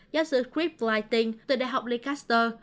giáo sư chris blighting từ đại học lancaster